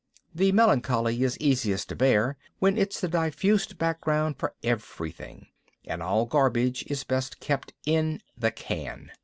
The melancholy is easiest to bear when it's the diffused background for everything; and all garbage is best kept in the can.